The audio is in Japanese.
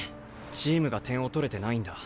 チームが点を取れてないんだ。